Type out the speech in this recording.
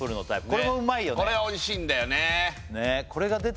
これおいしいんだよねねえ